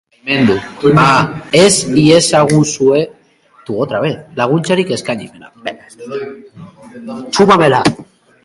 Ez iezaguzue laguntzarik eskaini